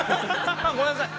◆ごめんなさい。